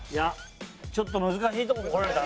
ちょっと難しいとここられたね。